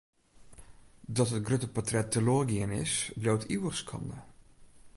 Dat it grutte portret teloar gien is, bliuwt ivich skande.